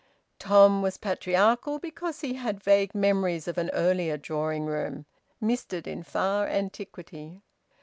Tom was patriarchal because he had vague memories of an earlier drawing room, misted in far antiquity.